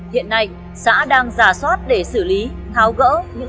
hiện nay xã đang rà soát để xử lý tháo gỡ những tồn tại của xã đức thượng